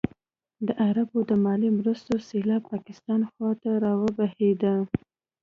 د عربو د مالي مرستو سېلاب پاکستان خوا ته راوبهېده.